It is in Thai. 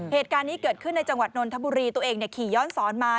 เหตุการณ์นี้เกิดขึ้นในจังหวัดนนทบุรีตัวเองขี่ย้อนสอนมา